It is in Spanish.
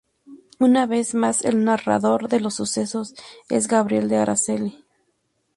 Una vez más, el narrador de los sucesos es Gabriel de Araceli.